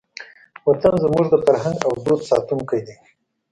وطن زموږ د فرهنګ او دود ساتونکی دی.